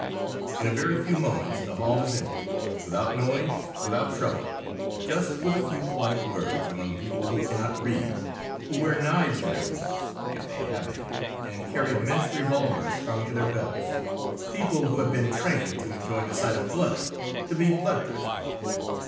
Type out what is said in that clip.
In a very few moments the hall is empty, without noise, without trouble, just with a few polite words, among people who cannot read, who wear knives in their boots if they have any and carry immense revolvers strung to their belts; people who have been trained to enjoy the sight of blood, to be bloodthirsty.